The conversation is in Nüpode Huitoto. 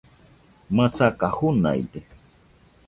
masaka junaide